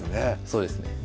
そうですね